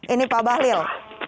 ini pak bahlil